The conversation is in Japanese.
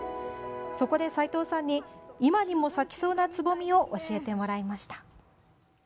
そこで、斉藤さんに今にも咲きそうなつぼみを教えてもらいました。